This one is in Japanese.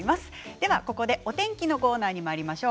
ここで、お天気のコーナーにまいりましょう。